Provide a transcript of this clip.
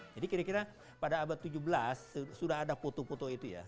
jadi kira kira pada abad ke tujuh belas sudah ada foto foto itu ya